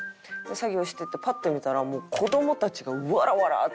作業しててパッて見たらもう子どもたちがワラワラって。